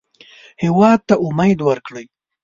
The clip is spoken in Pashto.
هېواد ته امید ورکړئ